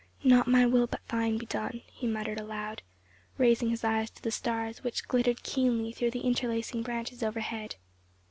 "Not my will but thine be done," he murmured aloud, raising his eyes to the stars which glittered keenly through the interlacing branches overhead.